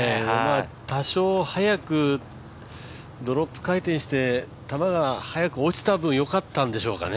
多少速くドロップ回転して、球が速く落ちた分、よかったんでしょうかね。